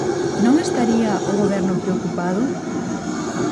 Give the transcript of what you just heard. ¿Non estaría o Goberno preocupado?